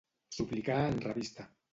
Suplicar en revista.